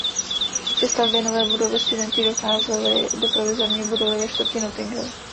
Při stavbě nové budovy studenti docházeli do provizorní budovy ve čtvrti North Hill.